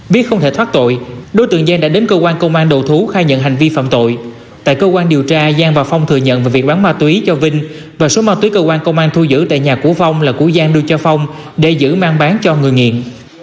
viết không thể thoát tội đối tượng giang đã đến công an đầu thú khai nhận hành vi phạm tội tại công an điều tra giang và phong thừa nhận về việc bán ma túy cho vinh và số ma túy công an thu giữ tại nhà của phong là của giang đưa cho phong để giữ mang bán cho người nghiện